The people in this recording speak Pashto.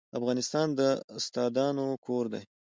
افغانستان د استادانو کور و.